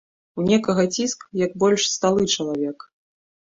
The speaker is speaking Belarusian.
У некага ціск, калі больш сталы чалавек.